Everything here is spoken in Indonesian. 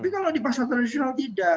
tapi kalau di pasar tradisional tidak